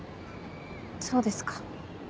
そうですか。